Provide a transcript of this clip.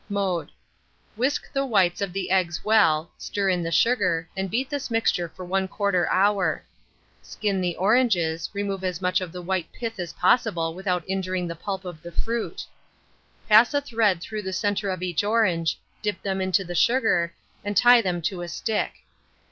Mode. Whisk the whites of the eggs well, stir in the sugar, and beat this mixture for 1/4 hour. Skin the oranges, remove as much of the white pith as possible without injuring the pulp of the fruit; pass a thread through the centre of each orange, dip them into the sugar, and tie them to a stick.